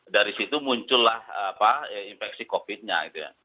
dari situ muncullah infeksi covid nya gitu ya